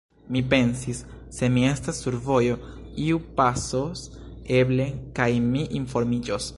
Mi pensis: «Se mi estas sur vojo, iu pasos eble, kaj mi informiĝos. »